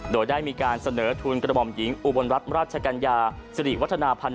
โดยได้มีการเสนอทุนกระหม่อมหญิงอุบลรัฐราชกัญญาสิริวัฒนาพันธ